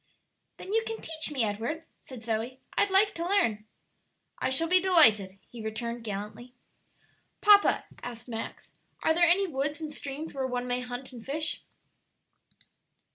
"Then you can teach me, Edward," said Zoe; "I'd like to learn." "I shall be delighted," he returned, gallantly. "Papa," asked Max, "are there any woods and streams where one may hunt and fish?"